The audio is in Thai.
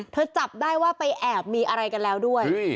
จับได้ว่าไปแอบมีอะไรกันแล้วด้วย